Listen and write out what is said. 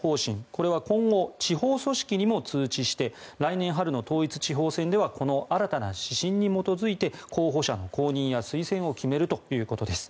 これは今後地方組織にも通知して来年春の統一地方選ではこの新たな指針に基づいて候補者の公認や推薦を決めるということです。